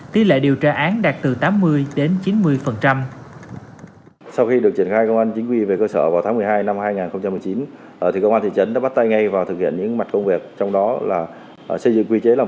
tỷ lệ điều tra án đạt từ tám mươi đến chín mươi